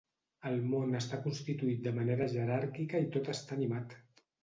El món està constituït de manera jeràrquica i tot està animat.